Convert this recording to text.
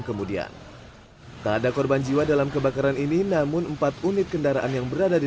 kemudian tak ada korban jiwa dalam kebakaran ini namun empat unit kendaraan yang berada di